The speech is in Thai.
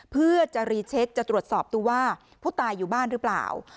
เพื่อจะรีเช็คจะตรวจสอบดูว่าผู้ตายอยู่บ้านหรือเปล่า